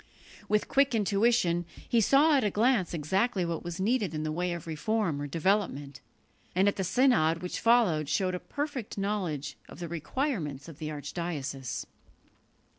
With quick intuition he saw at a glance exactly what was needed in the way of reform or development, and at the synod which followed showed a perfect knowledge of the requirements of the archdiocese.